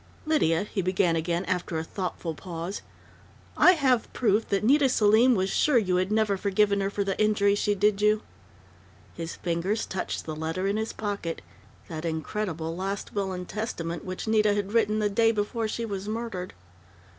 "Lydia," he began again, after a thoughtful pause, "I have proof that Nita Selim was sure you had never forgiven her for the injury she did you." His fingers touched the letter in his pocket that incredible "Last Will and Testament" which Nita had written the day before she was murdered....